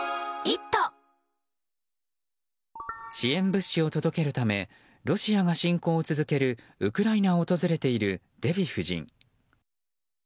支援物資を届けるためロシアが侵攻を続けるウクライナを訪れているデヴィ夫人。